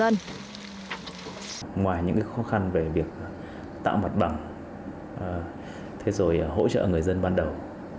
ngoài những khó khăn về việc tạo mặt bằng hỗ trợ người dân ban đầu